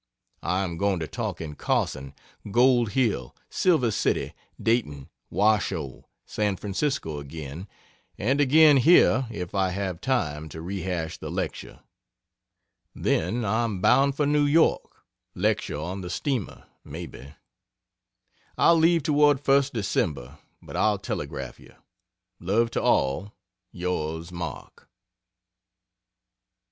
I am going to talk in Carson, Gold Hill, Silver City, Dayton, Washoe, San Francisco again, and again here if I have time to re hash the lecture. Then I am bound for New York lecture on the Steamer, maybe. I'll leave toward 1st December but I'll telegraph you. Love to all. Yrs. MARK.